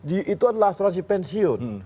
itu adalah asuransi pensiun